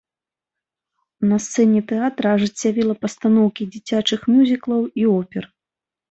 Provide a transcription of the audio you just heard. На сцэне тэатра ажыццявіла пастаноўкі дзіцячых мюзіклаў і опер.